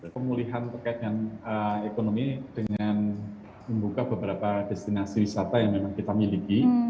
pemulihan terkait dengan ekonomi dengan membuka beberapa destinasi wisata yang memang kita miliki